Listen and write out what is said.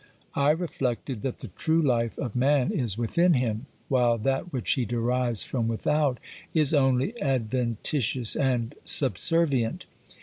I reflected that the true life of man is within him, while that which he derives from without is only adventitious and subservient.